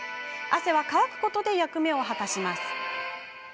汗は乾くことで役目を果たすのです。